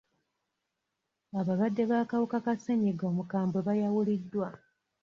Abalwadde b'akawuka ka ssenyiga omukambwe bayawuliddwa.